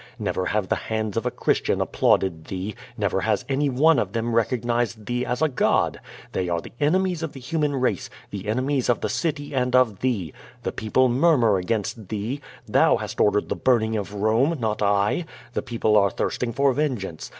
Never have the hands of a Christian applauded thee. Never has anyone of them recognized thee as a god. Tliey are the enemies of the human race, the enemies of the city and of thee. The peo ple murmur against thee. Thou hast ordered the burning of Rome, not I. The people are thirsting for vengeance.